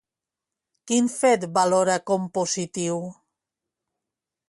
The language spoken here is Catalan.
Quin fet valora com positiu?